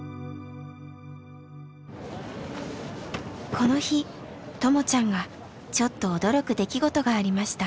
この日ともちゃんがちょっと驚く出来事がありました。